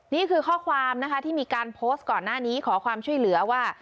นี่คือข้อความนะคะที่มีการโพสต์ก่อนหน้านี้ขอความช่วยเหลือว่า